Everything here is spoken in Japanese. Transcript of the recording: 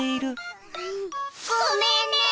ごめんねー！